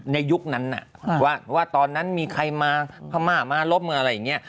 ในยุคนั้น๋ะว่าตอนนั้นมีใครมามาลบเมืองอะไรอย่างเงี้ย